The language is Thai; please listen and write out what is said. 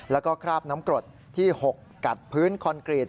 แล้วก็คราบน้ำกรดที่๖กัดพื้นคอนกรีต